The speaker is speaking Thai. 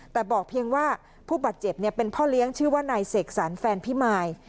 แต่บอกเพียงว่าผู้บาดเจ็บเป็นพ่อเลี้ยงชื่อว่านายเสกสรรแฟนพิมาย